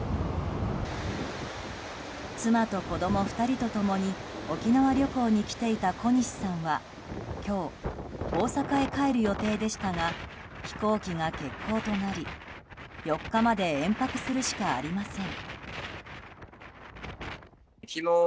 妻と子供２人と共に沖縄旅行に来ていた小西さんは今日、大阪へ帰る予定でしたが飛行機が欠航となり４日まで延泊するしかありません。